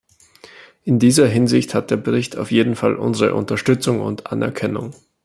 In dieser Hinsicht hat der Bericht auf jeden Fall unsere Unterstützung und Anerkennung.